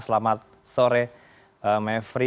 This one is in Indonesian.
selamat sore mevri